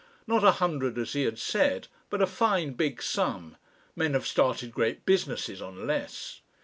Not a hundred as he had said, but a fine big sum men have started great businesses on less.